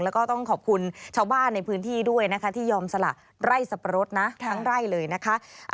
แล้วก็ต้องขอบคุณชาวบ้านในพื้นที่ด้วยนะคะที่ยอมสละไร่สับปะรดนะทั้งไร่เลยนะคะ